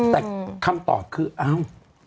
แต่คำตอบคืออ้าว